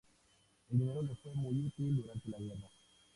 El dinero le fue muy útil durante la guerra.